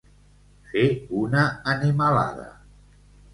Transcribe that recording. Fer una animalada.